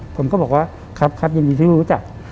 ผมก็บอกว่าครับครับยินดีที่รู้จัก